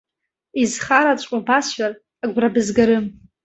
Изхараҵәҟьоу басҳәар, агәра бызгарым.